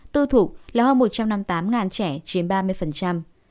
tư thụ là hơn một trăm năm mươi tám trẻ chiếm ba mươi